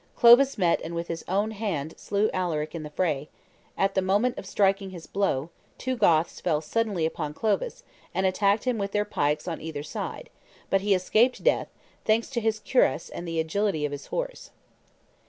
Clovis met and with his own hand slew Alaric in the fray; at the moment of striking his blow, two Goths fell suddenly upon Clovis, and attacked him with their pikes on either side, but he escaped death, thanks to his cuirass and the agility of his horse."